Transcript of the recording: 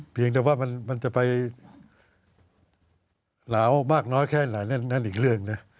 เพียงแต่ว่ามันจะไปเหลามากน้อยแค่ไหนนั่นอีกเรื่องนะ